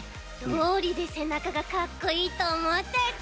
どうりでせなかがかっこいいとおもったち！